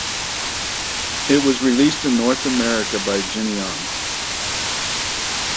It was released in North America by Geneon.